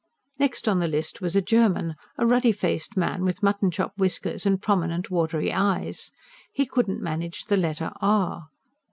Next on the list was a German, a ruddy faced man with mutton chop whiskers and prominent, watery eyes. He could not manage the letter "r."